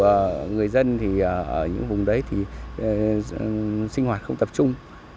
vì đặc thù người dân ở những vùng đấy thì sinh hoạt không tập trung